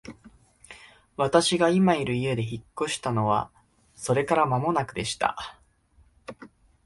私が今居る家へ引っ越したのはそれから間もなくでした。